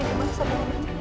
ayah mau dibawa sama mama